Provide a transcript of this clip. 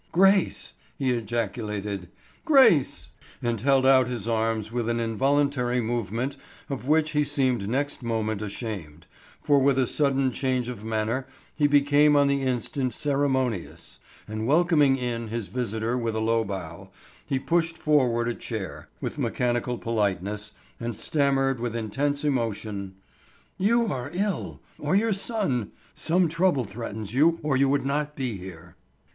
"Grace!" he ejaculated; "Grace!" and held out his arms with an involuntary movement of which he seemed next moment ashamed, for with a sudden change of manner he became on the instant ceremonious, and welcoming in his visitor with a low bow, he pushed forward a chair, with mechanical politeness, and stammered with intense emotion: "You are ill! Or your son! Some trouble threatens you or you would not be here."